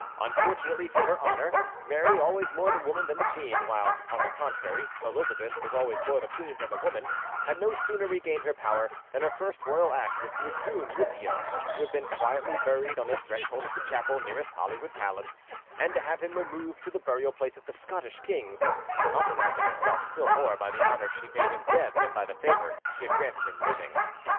Unfortunately for her honour, Mary, always more the woman than the queen, while, on the contrary, Elizabeth was always more the queen than the woman, had no sooner regained her power than her first royal act was to exhume Rizzio, who had been quietly buried on the threshold of the chapel nearest Holyrood Palace, and to have him removed to the burial place of the Scottish kings, compromising herself still more by the honours she paid him dead than by the favour she had granted him living.